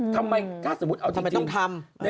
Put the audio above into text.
ทำไมต้องทำ